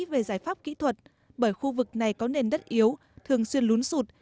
về giải pháp kỹ thuật bởi khu vực này có nền đất yếu thường xuyên lún sụt